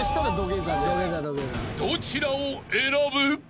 ［どちらを選ぶ？］